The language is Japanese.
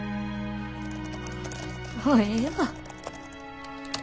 もうええわ。